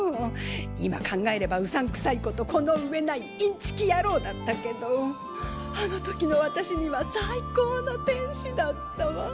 今考えればうさんくさい事この上ないインチキ野郎だったけどあの時の私には最高の天使だったわ。